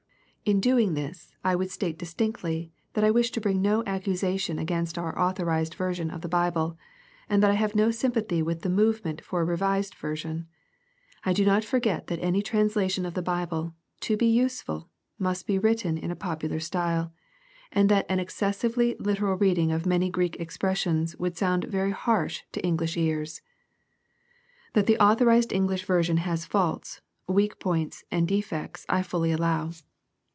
In doing this, I would state distinctly that I wish to bring no accusation against our authdKzed version of the Bible, and that I have no sympathy with the movement for a revised version. I do not forget that any translation of the Bible, to be useful, must be written in a popular style, and that an excessively literal reading of many Greek expressions would sound very harsh to English ears. That the authorized English version has faults, weak points, and defects, I fully allow.